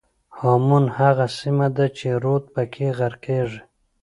هامون هغه سیمه ده چې رود پکې غرقېږي.